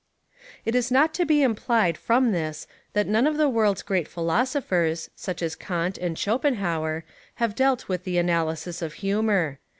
It is not to be implied from this that none of the world's great philosophers, such as Kant, and Schopenhauer, have dealt with the analysis of humour.